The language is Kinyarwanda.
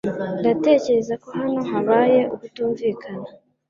Ndatekereza ko hano habaye ukutumvikana